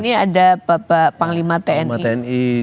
ini ada bapak panglima tni